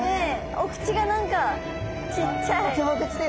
お口が何かちっちゃい。